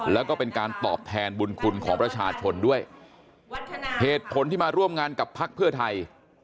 แล้วก็เป็นการตอบแทนบุญคุณของประชาชนด้วยเหตุผลที่มาร่วมงานกับพักเพื่อไทย